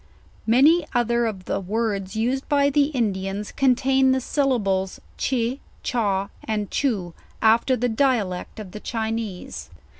Many other of the words used by the Indians contain the syllables, che, chaw, and chu, after the uialect of the Chinese.